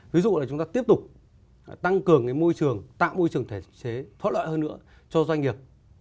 ví dụ là chúng ta tiếp tục tăng cường môi trường tạo môi trường thể chế thoát lợi hơn nữa cho doanh nghiệp